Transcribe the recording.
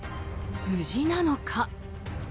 無事なのか？